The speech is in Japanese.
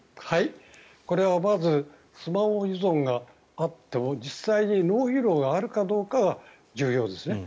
これはまずスマホ依存があっても実際に脳疲労があるかどうかが重要ですね。